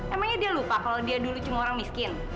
emangnya dia lupa kalau dia dulu cuma orang miskin